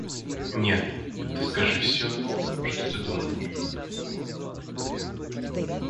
Нет, ты скажи всё, что ты думаешь!